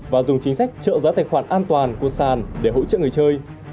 và dùng chính sách trợ giá tài khoản an toàn của sàn để hỗ trợ người chơi